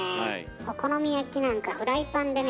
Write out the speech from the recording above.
お好み焼きなんかフライパンでね